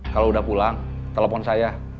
kalau udah pulang telepon saya